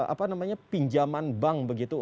apa namanya pinjaman bank begitu untuk bpn